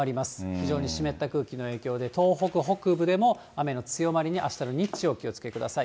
非常に湿った空気の影響で、東北北部でも雨の強まりに、あしたの日中、お気をつけください。